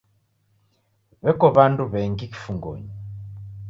W'eko w'andu w'engi kifungonyi.